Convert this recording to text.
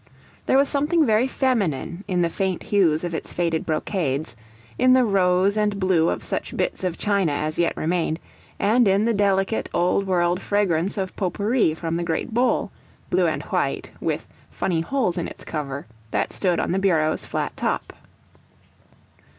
There was something very feminine in the faint hues of its faded brocades, in the rose and blue of such bits of china as yet remained, and in the delicate old world fragrance of pot pourri from the great bowl blue and white, with funny holes in its cover that stood on the bureau's flat top.